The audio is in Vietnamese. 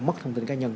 mất thông tin cá nhân